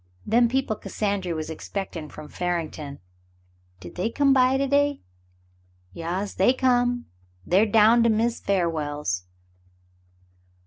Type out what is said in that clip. Them people Cassandry was expectin' from Farington, did they come to day ?" *'Yas, they come. They're down to Miz Farwell's."